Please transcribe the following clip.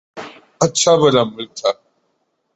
اچھا بھلا ملک تھا۔